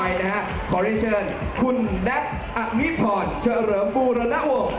แล้วต่อไปนะครับขอเรียนเชิญคุณแดทอักมิพรชรมบูรณาโอ